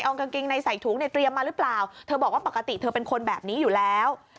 เอากางเกงในใส่ถุงเนี่ยเตรียมมาหรือเปล่าเธอบอกว่าปกติเธอเป็นคนแบบนี้อยู่แล้ว